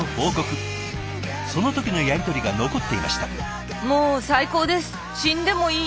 その時のやり取りが残っていました。